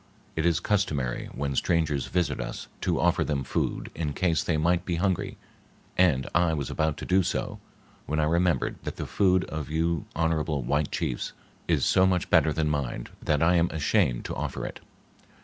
It is customary when strangers visit us to offer them food in case they might be hungry, and I was about to do so, when I remembered that the food of you honorable white chiefs is so much better than mine that I am ashamed to offer it."